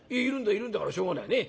いるんだからしょうがないねえ。